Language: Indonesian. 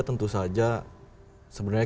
tentu saja sebenarnya